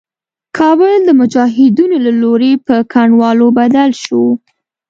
کابل د مجاهدينو له لوري په کنډوالي بدل شو.